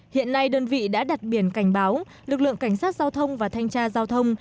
hiện nay đơn vị đã đặt biển cảnh báo lực lượng cảnh sát giao thông và thanh tra giao thông